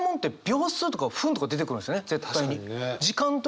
絶対に。